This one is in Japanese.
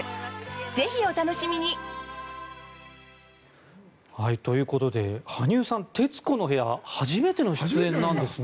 ぜひお楽しみに！ということで羽生さん「徹子の部屋」初めての出演なんですね。